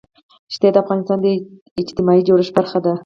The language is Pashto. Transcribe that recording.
ښتې د افغانستان د اجتماعي جوړښت برخه ده.